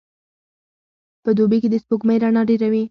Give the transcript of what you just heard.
په دوبي کي د سپوږمۍ رڼا ډېره وي.